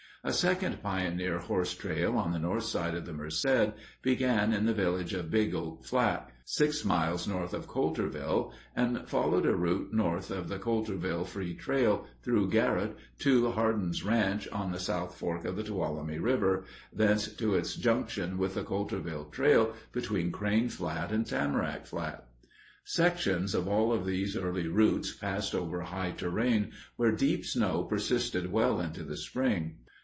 A second pioneer horse trail on the north side of the Merced began at the village of Big Oak Flat, six miles north of Coulterville, and followed a route north of the Coulterville Free Trail through Garrote to Harden's Ranch on the South Fork of the Tuolumne River, thence to its junction with the Coulterville Trail between Crane Flat and Tamarack Flat. Sections of all of these early routes passed over high terrain where deep snow persisted well into the spring.